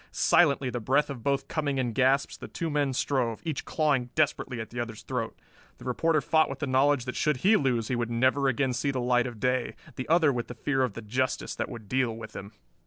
Silently, the breath of both coming in gasps, the two men strove, each clawing desperately at the other's throat. The reporter fought with the knowledge that should he lose he would never again see the light of day, the other with the fear of the justice that would deal with him.